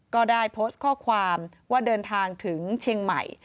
ก็ได้โพสต์ข้อความว่าเดินทางถึงเชียงใหม่